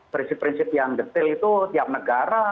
prinsip prinsip yang detail itu tiap negara